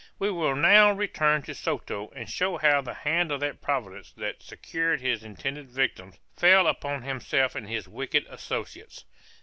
We will now return to Soto, and show how the hand of that Providence that secured his intended victims, fell upon himself and his wicked associates.